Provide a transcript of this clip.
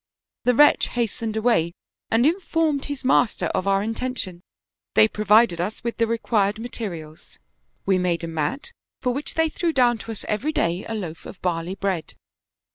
The wretch hastened away and informed his master of our intention; they provided us with the required ma terials ; we made a mat, for which they threw down to us every day a loaf of barley bread.